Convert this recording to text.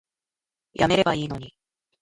やめればいいのに